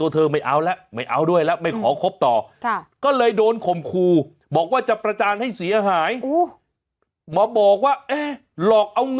ทะเลาะกันไหลครั้ง